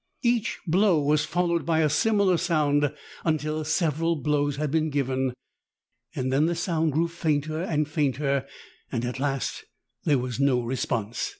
Each blow was followed by a similar sound until several blows had been given; then the sound grew fainter and fainter, and at last there was no response.